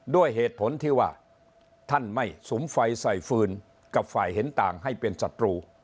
ด้วยเหตุผลที่ว่าท่านไม่สุมไฟใส่ฟืนกับฝ่ายเห็นต่างให้เป็นศัตรู